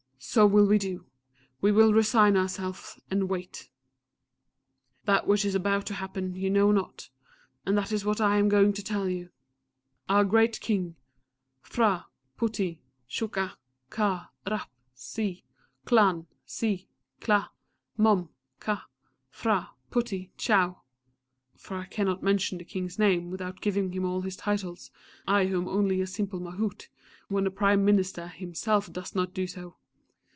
so will we do. We will resign ourselves, and wait. "That which is about to happen you know not and that is what I am going to tell you. "Our great King, Phra, Puttie, Chucka, Ka, Rap, Si, Klan, Si, Kla, Mom, Ka, Phra, Puttie, Chow (for I cannot mention the King's name without giving him all his titles I who am only a simple Mahout when the Prime Minister, himself durst not do so!)